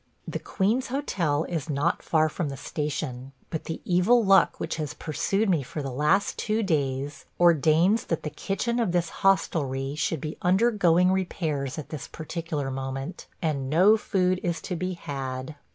The Queen's Hotel is not far from the station, but the evil luck which has pursued me for the last two days ordains that the kitchen of this hostelry should be undergoing repairs at this particular moment, and no food is to be had.